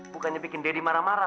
bukannya bikin deddy marah marah